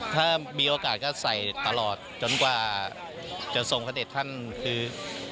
ถ้ามีโอกาสก็ใส่ตลอดจนกว่าจะทรงพระเด็จท่านคือ